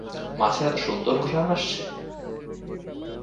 মাছের এত সুন্দর ঘ্রাণ আসছে।